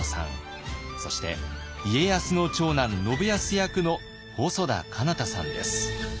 そして家康の長男信康役の細田佳央太さんです